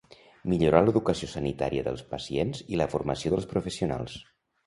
Millorar l'educació sanitària dels pacients i la formació dels professionals.